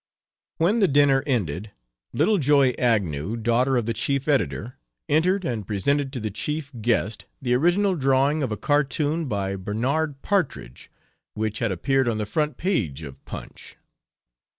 When the dinner ended, little joy Agnew, daughter of the chief editor, entered and presented to the chief guest the original drawing of a cartoon by Bernard Partridge, which had appeared on the front page of Punch.